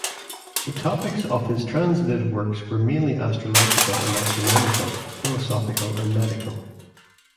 The topics of his translated works were mainly astrological and astronomical, philosophical and medical.